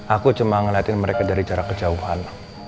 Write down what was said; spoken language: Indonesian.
aku cuma ngeliatin mereka dari jarak kejauhan